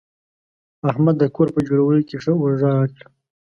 احمد د کور په جوړولو کې ښه اوږه راکړه.